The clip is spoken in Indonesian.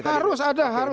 harus ada harus